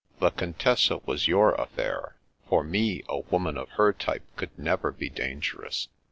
"The Contessa was your affair. For me, a woman of her t)rpe could never be dangerous.